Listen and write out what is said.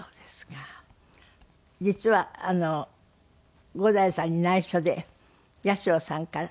実は伍代さんに内緒で八代さんから。